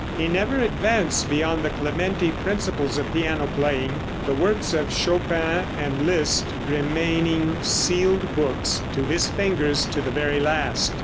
He never advanced beyond the Clementi principles of piano playing, the works of Chopin and Liszt remaining sealed books to his fingers, to the very last.